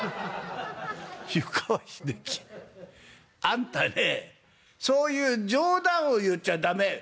あんたねそういう冗談を言っちゃ駄目」。